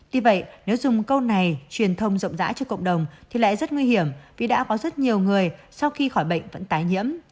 tuy vậy nếu dùng câu này truyền thông rộng rãi cho cộng đồng thì lại rất nguy hiểm vì đã có rất nhiều người sau khi khỏi bệnh vẫn tái nhiễm